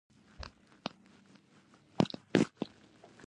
لاتابند لاره ولې اوس نه کارول کیږي؟